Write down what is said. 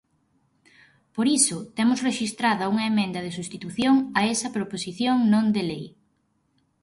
Por iso, temos rexistrada unha emenda de substitución a esta proposición non de lei.